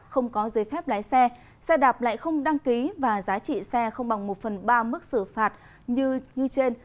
không có giấy phép lái xe xe đạp lại không đăng ký và giá trị xe không bằng một phần ba mức xử phạt như trên